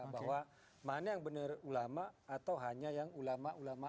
bahwa mana yang benar ulama atau hanya yang ulama ulama